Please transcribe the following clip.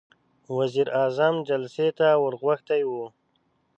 وزير اعظم جلسې ته ور غوښتی و.